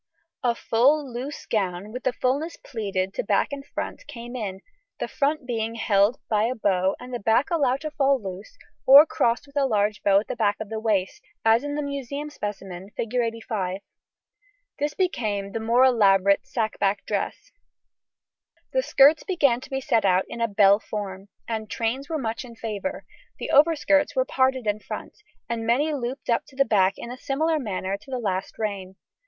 A full, loose gown, with the fullness pleated to back and front, came in, the front being held by a bow and the back allowed to fall loose or crossed with a large bow at the back of waist, as in the museum specimen, Fig. 85. This became the more elaborate sack back dress. [Illustration: FIG. 84. Period 1700 1725.] The skirts began to be set out in a bell form, and trains were in much favour; the overskirts were parted in front, and many looped up to the back in a similar manner to the last reign.